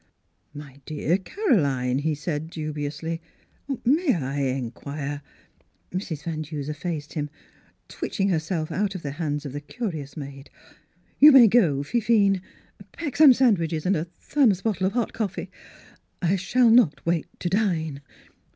" My dear Caroline," he said, du biously, " may I inquire —" Mrs. Van Duser faced him, twitching herself out of the hands of the curious maid. "You may go, Fifine. Pack some sandwiches and a thermos bottle of hot coffee. I shall not wait to dine."